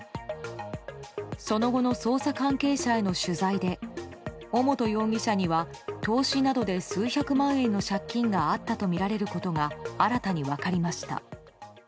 その後の捜査関係者への取材で尾本容疑者には投資などで数百万円の借金があったとみられることが新たに分かりました。